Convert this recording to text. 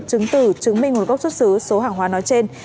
chứng tử chứng minh nguồn gốc xuất xứ số hàng hóa nói trên